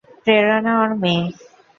প্রেরণা ওর মেয়ে।